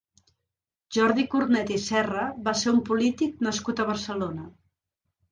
Jordi Cornet i Serra va ser un polític nascut a Barcelona.